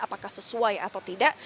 apakah sesuai atau tidak